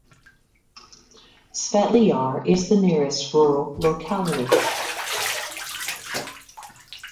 Svetly Yar is the nearest rural locality.